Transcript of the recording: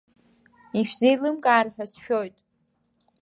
Ишәзеилымкаар ҳәа сшәоит.